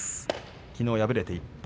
きのう敗れて１敗。